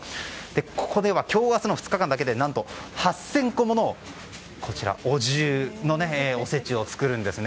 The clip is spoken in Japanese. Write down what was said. ここでは今日明日の２日間だけで何と８０００個ものお重のおせちを作るんですね。